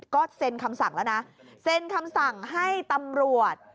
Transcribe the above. ก็เซ็นคำสั่งแล้วนะเซ็นคำสั่งให้ตำรวจ